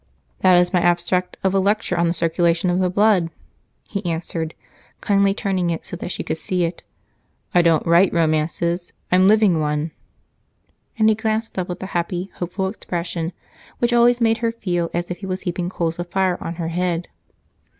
"That is my abstract on a lecture on the circulation of the blood," he answered, kindly turning it so that she could see. "I don't write romances I'm living one," and he glanced up with the happy, hopeful expression which always made her feel as if he was heaping coals of fire on her head.